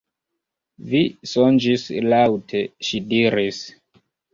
Vi sonĝis laŭte, ŝi diris.